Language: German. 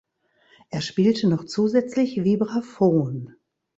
Er spielte noch zusätzlich Vibraphon.